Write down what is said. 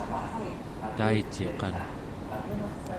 taiciqan